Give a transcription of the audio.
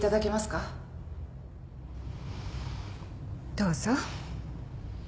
どうぞ。